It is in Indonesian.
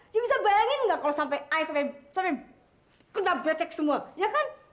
ya bisa bayangin nggak kalau sampai i sampai sampai kena becek semua ya kan